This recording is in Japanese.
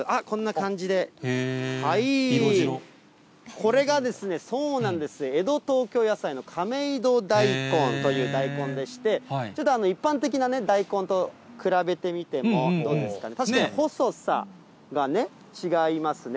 これがそうなんです、江戸東京野菜の亀戸大根という大根でして、一般的な大根と比べてみてもどうですかね、確かに細さがね、違いますね。